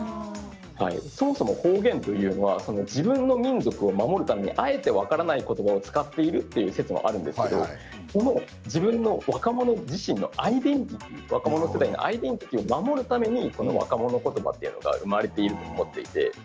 そもそも方言というのは自分の民族を守るため、あえて分からない言葉を使っているという説もあるんですけれど自分の若者自身のアイデンティティー若者自体のアイデンティティーを守るために若者言葉が生まれていると思っていて。